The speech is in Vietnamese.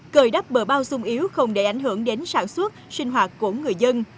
cười đắp bờ bao sung yếu không để ảnh hưởng đến sản xuất sinh hoạt của người dân